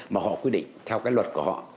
mà họ quy định theo cái luật của họ